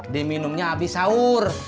diminumnya abis sahur